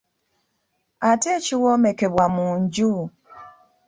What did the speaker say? Ate ekiwomekebwa mu nju?